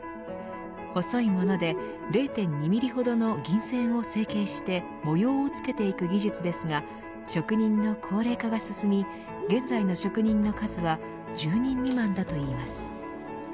細いもので０．２ミリほどの銀線を成形して模様をつけていく技術ですが職人の高齢化が進み現在の職人の数は１０人未満だといいます。